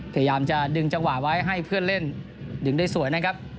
พยายามจะดึงจังหวะไว้ให้เพื่อนเล่นดึงได้สวยนะครับ